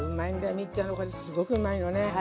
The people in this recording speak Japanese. ミッちゃんのこれすごくうまいのね。